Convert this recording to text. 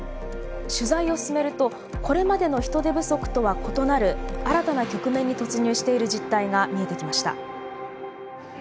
取材を進めるとこれまでの人手不足とは異なる新たな局面に突入している実態が見えてきました。